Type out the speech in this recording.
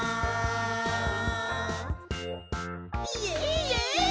イエイ！